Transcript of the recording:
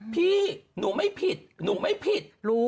พี่หนูไม่ผิดหนูไม่ผิดรู้